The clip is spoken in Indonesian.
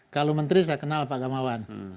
kalau menteri saya kenal pak gamawan